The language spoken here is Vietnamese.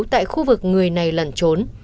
tại khu vực người này lần trốn